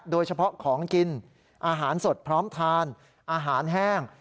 โดยเฉพาะของกินอาหารสดพร้อมทานอาหารแห้ง